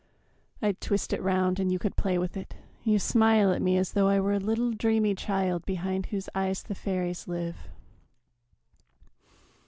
I'd twist it round And you could play with it. You smile at me As though I were a little dreamy child Behind whose eyes the fairies live.